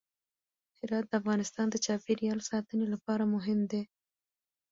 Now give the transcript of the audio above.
هرات د افغانستان د چاپیریال ساتنې لپاره مهم دي.